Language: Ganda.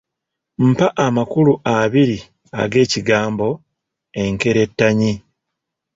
Mpa amakulu abiri ag'ekigambo “enkerettanyi.”